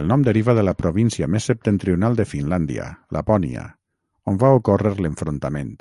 El nom deriva de la província més septentrional de Finlàndia, Lapònia, on va ocórrer l'enfrontament.